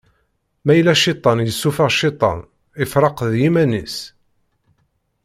Ma yella Cciṭan yessufeɣ Cciṭan, ifreq d yiman-is.